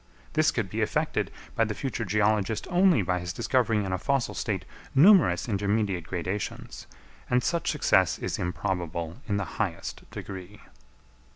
This could be effected by the future geologist only by his discovering in a fossil state numerous intermediate gradations; and such success is improbable in the highest degree.